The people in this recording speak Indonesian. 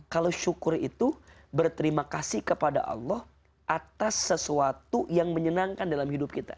kalau syukur itu berterima kasih kepada allah atas sesuatu yang menyenangkan dalam hidup kita